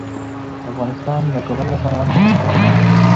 افغانستان د کابل لپاره مشهور دی.